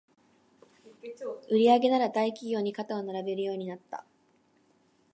売上なら大企業に肩を並べるようになった